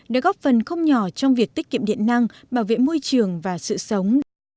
đã góp phần không nhỏ trong việc tiết kiệm điện năng bảo vệ môi trường và sự sống